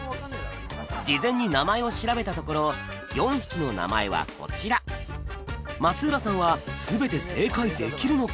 事前に名前を調べたところ４匹の名前はこちら松浦さんは全て正解できるのか？